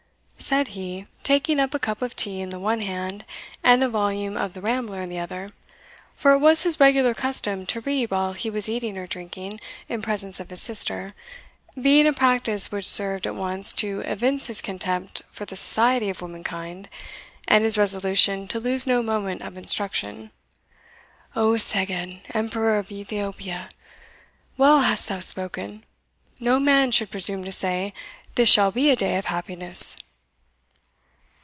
said he, taking up a cup of tea in the one hand, and a volume of the Rambler in the other, for it was his regular custom to read while he was eating or drinking in presence of his sister, being a practice which served at once to evince his contempt for the society of womankind, and his resolution to lose no moment of instruction, "O Seged, Emperor of Ethiopia! well hast thou spoken No man should presume to say, This shall be a day of happiness."